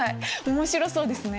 面白そうですね。